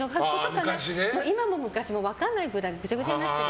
ただ、今も昔も分かんないぐらいぐちゃぐちゃになってる。